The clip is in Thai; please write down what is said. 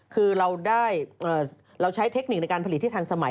คือเราใช้เทคนิคในการผลิตที่ทันสมัย